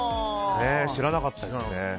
知らなかったですね。